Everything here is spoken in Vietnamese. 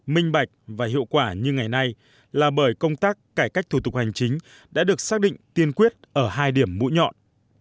minh bạch và hiệu quả như ngày nay là bởi công tác cải cách thủ tục hành chính đã được xác định tiên quyết ở hai điểm mũi nhọn